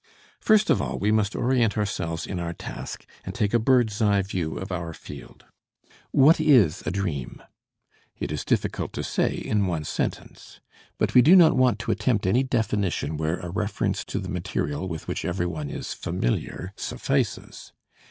First of all, we must orient ourselves in our task, and take a bird's eye view of our field. What is a dream? It is difficult to say in one sentence. But we do not want to attempt any definition where a reference to the material with which everyone is familiar suffices.